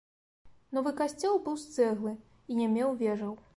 Новы касцёл быў з цэглы і не меў вежаў.